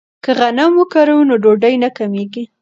که غنم وکرو نو ډوډۍ نه کمیږي.